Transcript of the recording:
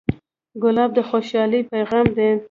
ګلاب د خوشحالۍ پیغام دی.